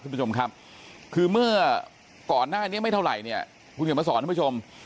คุณผู้ชมครับคือเมื่อก่อนหน้านี้ไม่เท่าไหร่เนี่ยคุณเขียนมาสอนท่านผู้ชม